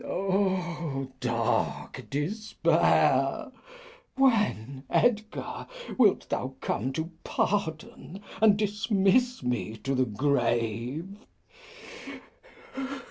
O dark Despair! When, Edgar, wilt thou come To pardon, and dismiss me to the Grave